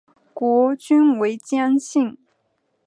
国君为姜姓。